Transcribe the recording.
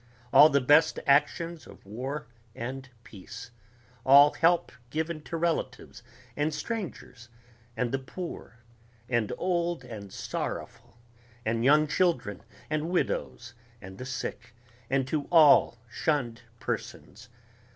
All the best actions of war and peace ... all help given to relatives and strangers and the poor and old and sorrowful and young children and widows and the sick, and to all shunned persons